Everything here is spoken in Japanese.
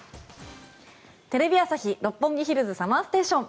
テレビ朝日・六本木ヒルズＳＵＭＭＥＲＳＴＡＴＩＯＮ。